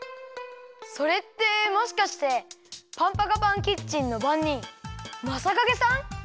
それってもしかしてパンパカパンキッチンのばんにんマサカゲさん？